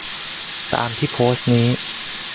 ตามที่โพสต์นี้